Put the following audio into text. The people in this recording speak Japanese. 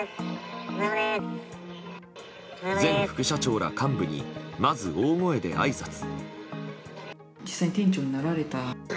前副社長ら幹部にまず大声であいさつ。